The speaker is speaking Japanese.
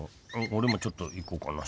俺もちょっと行こうかな。